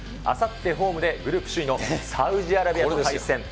あさってホームでグループ首位のサウジアラビアと対戦。